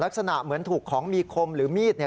ลักษณะเหมือนถูกของมีคมหรือมีดเนี่ย